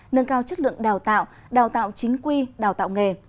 nâng cao chất lượng đào tạo đào tạo chính quy đào tạo nghề